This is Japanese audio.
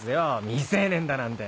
未成年だなんて。